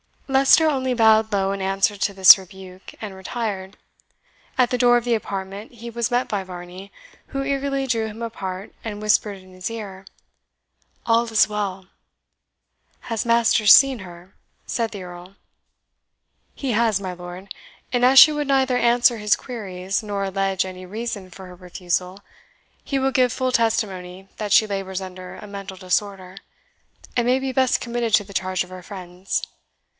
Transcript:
Leicester only bowed low in answer to this rebuke, and retired. At the door of the apartment he was met by Varney, who eagerly drew him apart, and whispered in his ear, "All is well!" "Has Masters seen her?" said the Earl. "He has, my lord; and as she would neither answer his queries, nor allege any reason for her refusal, he will give full testimony that she labours under a mental disorder, and may be best committed to the charge of her friends.